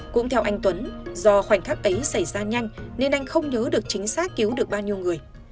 cũng theo anh tuấn do khoảnh khắc ấy xảy ra nhanh nên anh không nhớ được chính xác cứu được bao nhiêu người